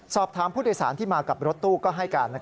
สอบถามผู้โดยสารที่มากับรถตู้ก็ให้การ